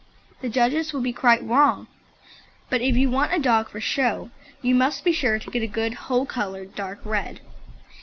The judges would be quite wrong, but if you want a dog for show you must be sure to get a good whole coloured dark red.